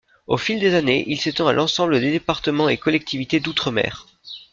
Au fil des années, il s’étend à l’ensemble des départements et collectivités d’outre-mer.